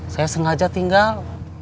saya sengaja tinggal